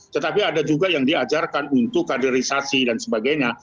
tetapi ada juga yang diajarkan untuk kaderisasi dan sebagainya